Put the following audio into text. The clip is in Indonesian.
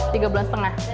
tiga bulan setengah